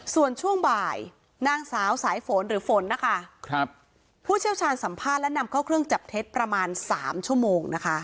ส่วนช่วงบ่ายนางสาวสายฝนหรือฝนนะคะครับผู้เชี่ยวชาญสัมภาษณ์และนำเข้าเครื่องจับเท็จประมาณ๓ชั่วโมงนะคะ